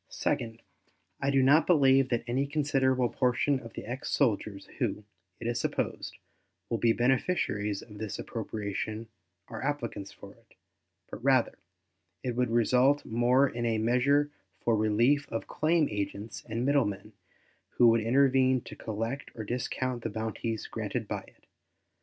Second, I do not believe that any considerable portion of the ex soldiers who, it is supposed, will be beneficiaries of this appropriation are applicants for it, but, rather, it would result more in a measure for the relief of claim agents and middlemen who would intervene to collect or discount the bounties granted by it.